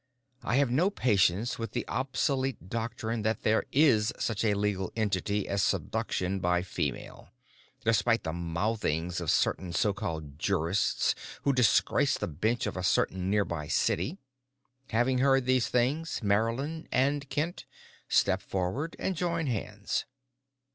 I have no patience with the obsolete doctrine that there is such a legal entity as seduction by female, despite the mouthings of certain so called jurists who disgrace the bench of a certain nearby city. "Having heard these things, Marylyn and Kent, step forward and join hands."